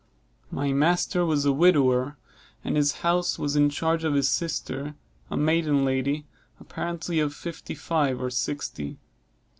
My master was a widower; and his house was in charge of his sister, a maiden lady, apparently of fifty five or sixty.